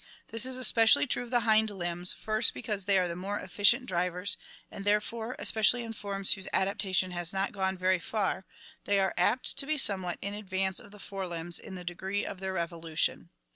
This is especially true of the hind limbs, first because they are the more efficient drivers and therefore, especially in forms whose adapta tion has not gone very far, they are apt to be somewhat in advance of the fore limbs in the degree of their evolution.